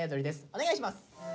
お願いします。